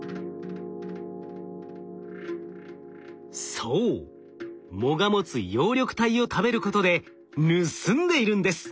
そう藻が持つ葉緑体を食べることで盗んでいるんです。